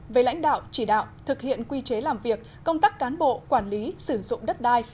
về lãnh đạo chỉ đạo thực hiện quy chế làm việc công tác cán bộ quản lý sử dụng đất đai